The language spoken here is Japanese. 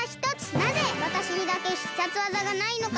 なぜわたしにだけ必殺技がないのか！